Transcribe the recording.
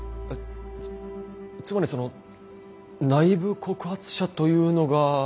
えつまりその内部告発者というのが？